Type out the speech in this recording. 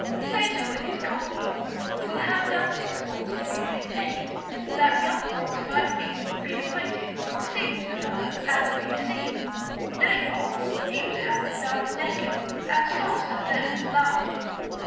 Plato, in his Commonwealth, will have dancing schools to be maintained, that young folks might meet, be acquainted, see one another, and be seen; nay more, he would have them dance naked; and scoffs at them that laugh at it.